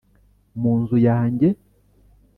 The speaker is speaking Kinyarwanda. mu nzu yanjye